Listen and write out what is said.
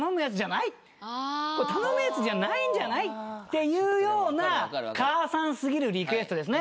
頼むやつじゃないんじゃない？っていうような母さんすぎるリクエストですね。